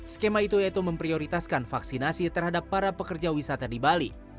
skema itu yaitu memprioritaskan vaksinasi terhadap para pekerja wisata di bali